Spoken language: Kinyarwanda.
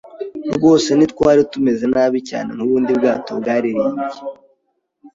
rwose, ntitwari tumeze nabi cyane nkubundi bwato baririmbye: